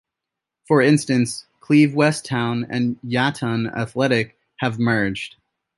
For instance Cleeve West Town and Yatton Athletic have merged.